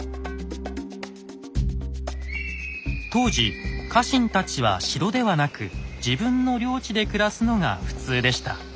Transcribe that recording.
当時家臣たちは城ではなく自分の領地で暮らすのが普通でした。